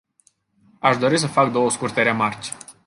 Aș dori să fac două scurte remarci.